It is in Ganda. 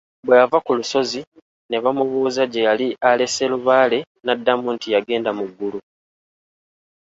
Bwe yava ku lusozi ne bamubuuza gye yali alese Lubaale, n’addamu nti yagenda mu ggulu.